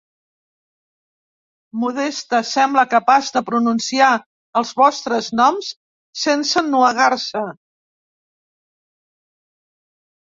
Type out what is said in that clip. Modesta sembla capaç de pronunciar els vostres noms sense ennuegar-se.